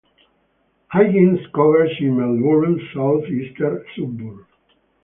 Higgins covers in Melbourne's south-eastern suburbs.